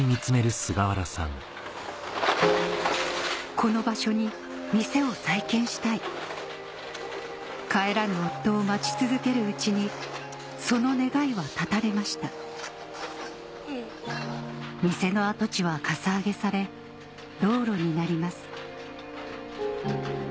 この場所に店を再建したい帰らぬ夫を待ち続けるうちにその願いは絶たれました店の跡地はかさ上げされ道路になります